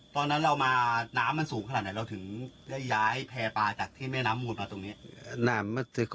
ตอนนั้นเรามาน้ำมันสูงขนาดไหนเราถึงได้ย้ายแพร่ปลาจากที่แม่น้ำมูลมาตรงนี้